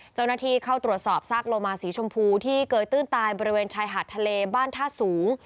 เจ้าหน้าที่เข้าตรวจสอบซากโลมาสีชมพูที่เกยตื้นตายบริเวณชายหาดทะเลบ้านท่าสูง